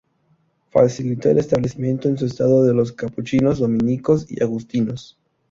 Facilitó el establecimiento en su estado de los capuchinos, dominicos y agustinos.